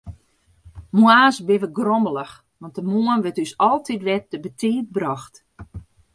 Moarns binne wy grommelich, want de moarn wurdt ús altyd wer te betiid brocht.